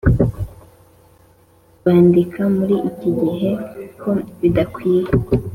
bandika muri iki gihe ko bidakwiye